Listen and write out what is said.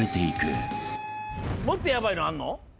もっとヤバいのあんの？